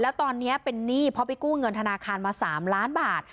แล้วตอนนี้เป็นหนี้เพราะไปกู้เงินธนาคารมา๓ล้านบาท